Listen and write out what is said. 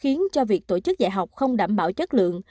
khiến cho việc tổ chức dạy học không đảm bảo chất lượng